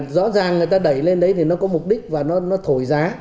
rõ ràng người ta đẩy lên đấy thì nó có mục đích và nó thổi giá